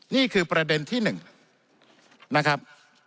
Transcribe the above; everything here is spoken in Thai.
นี่คือประเด็นที่๑นะครับ